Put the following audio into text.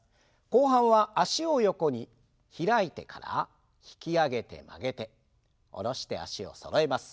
後半は脚を横に開いてから引き上げて曲げて下ろして脚をそろえます。